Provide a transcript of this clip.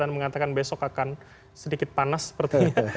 dan mengatakan besok akan sedikit panas sepertinya